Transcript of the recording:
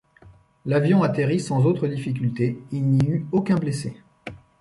L'avion atterrit sans autre difficulté; il n'y eut aucun blessé.